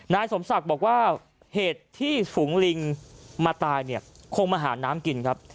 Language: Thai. นายสมศักดิ์บอกว่าเหตุที่ฝูงลิงมาตายเนี่ยคงมาหาน้ำกินครับ